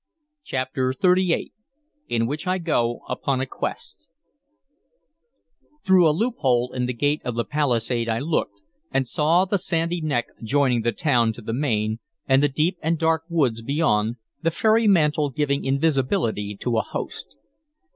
CHAPTER XXXVIII IN WHICH I GO UPON A QUEST THROUGH a loophole in the gate of the palisade I looked, and saw the sandy neck joining the town to the main, and the deep and dark woods beyond, the fairy mantle giving invisibility to a host.